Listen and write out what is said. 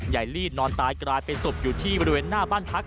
ไยรี่นอนตายกลายเป็นสบอยู่ในบริเวณหน้าบ้านทัก